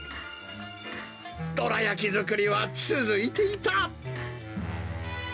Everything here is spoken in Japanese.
どら焼き作りは続いていた。